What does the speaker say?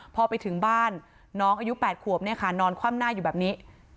พอไปถึงบ้านน้องอายุ๘ขวบเนี่ยค่ะนอนคว่ำหน้าอยู่แบบนี้